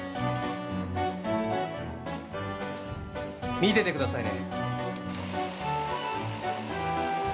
見ててくださいね。